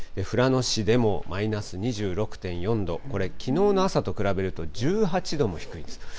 富良野市でもマイナス２６．４度、これ、きのうの朝と比べると１８度も低いんです。